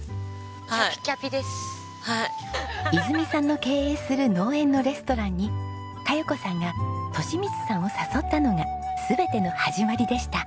いづみさんの経営する農園のレストランに香葉子さんが利光さんを誘ったのが全ての始まりでした。